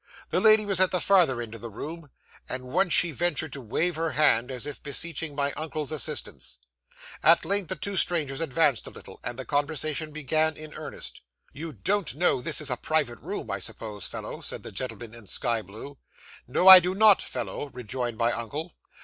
The lady was at the farther end of the room, and once she ventured to wave her hand, as if beseeching my uncle's assistance. 'At length the two strangers advanced a little, and the conversation began in earnest. '"You don't know this is a private room, I suppose, fellow?" said the gentleman in sky blue. '"No, I do not, fellow," rejoined my uncle.